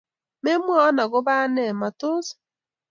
memwowon agoba anee, matos?